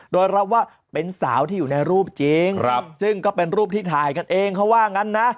โดยรับว่าเป็นสาวที่อยู่ในรูปจริงซึ่งก็เป็นรูปที่ถ่ายกันเองเขาว่างั้นนะ